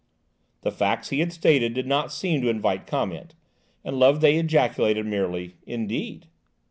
The facts he had stated did not seem to invite comment, and Loveday ejaculated merely: "Indeed!"